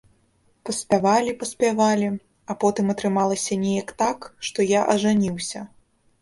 Паспявалі-паспявалі, а потым атрымалася неяк так, што я ажаніўся.